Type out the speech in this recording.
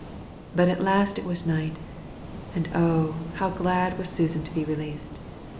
But at last it was night; and O, how glad was Susan to be released!